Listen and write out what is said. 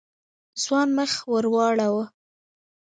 ځوان مخ ور واړاوه.